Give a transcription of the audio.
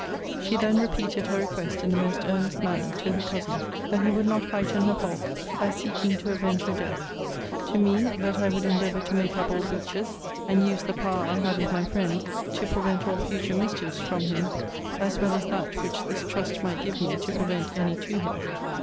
She then repeated her request, in the most earnest manner, to her cousin, that he would not heighten her fault, by seeking to avenge her death; to me, that I would endeavour to make up all breaches, and use the power I had with my friend, to prevent all future mischiefs from him, as well as that which this trust might give me to prevent any to him.